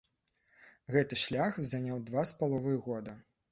Гэты шлях заняў два з паловай года.